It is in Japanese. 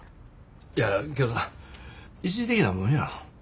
いやけどな一時的なもんやろ。